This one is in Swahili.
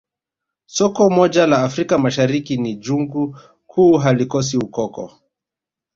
Soko moja la Afrika Mashariki ni jungu kuu halikosi ukoko